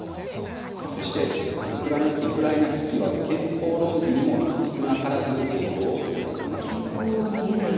そしてウクライナ危機は憲法論議にも少なからず影響を与えています。